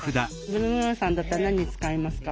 ブルボンヌさんだったら何に使いますか？